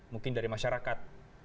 mungkin dari masyarakat